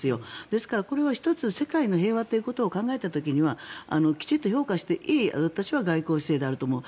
ですから、これは１つ世界の平和ということを考えた時にはきちんと評価していい外交姿勢であると私は思う。